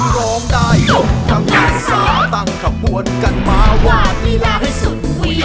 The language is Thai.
ร้องน่ายยกกำรังซ่าตังขภวนกันมาวางวีลักษณ์สุข